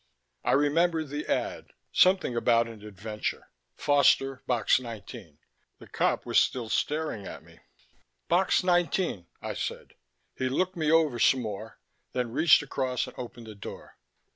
I remembered the ad something about an adventure; Foster, Box 19. The cop was still staring at me. "Box nineteen," I said. He looked me over some more, then reached across and opened the door.